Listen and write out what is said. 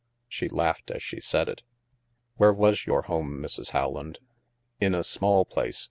She laughed as she said it. "Where was your home, Mrs. Rowland?" " In a small place.